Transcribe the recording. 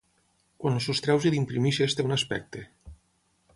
Quan el sostreus i l’imprimeixes té un aspecte.